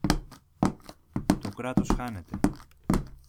Το Κράτος χάνεται!